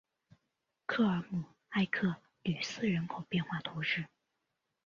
科尔姆埃克吕斯人口变化图示